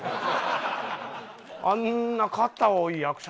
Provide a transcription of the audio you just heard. あんな肩多い役者